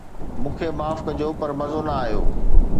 مون کي معاف ڪجو پر مزو نه آيو